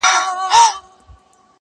ژر مي باسه له دې ملکه له دې ځایه-